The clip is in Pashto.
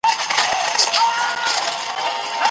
څېړنه به عملي سي.